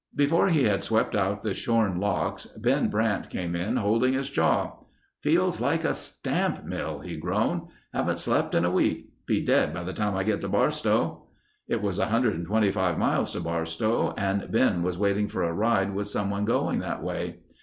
Before he had swept out the shorn locks Ben Brandt came in, holding his jaw. "Feels like a stamp mill," he groaned. "Haven't slept in a week. Be dead by the time I get to Barstow." It was 125 miles to Barstow and Ben was waiting for a ride with someone going that way.